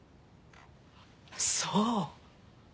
そう！